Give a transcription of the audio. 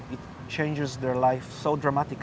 itu mengubah hidup mereka dengan sangat dramatis